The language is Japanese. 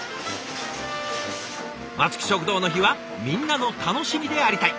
松木食堂の日はみんなの楽しみでありたい！